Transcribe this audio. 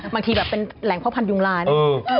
บางทีแบบเป็นแหล่งพ่อพันธุงล้าน